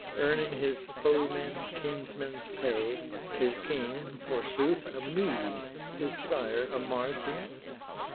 Earning his foemen kinsmen's pay, His king, forsooth, a Mede, his sire A Marsian?